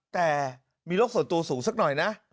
แต่มีโรคส่วนตัวสูงสักหน่อยนะ